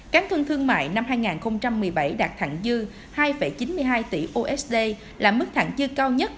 cáng thương mại năm hai nghìn một mươi bảy đạt thẳng dư hai chín mươi hai tỷ usd là mức thẳng dư cao nhất